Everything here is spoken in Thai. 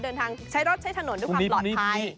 ใช้รถใช้ถนนด้วยความปลอดภัย